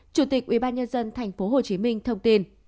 chủ tịch ubnd tp hcm thông tin